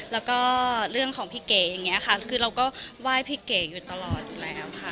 แล้วก็เรื่องของพี่เก๋อย่างนี้ค่ะคือเราก็ไหว้พี่เก๋อยู่ตลอดอยู่แล้วค่ะ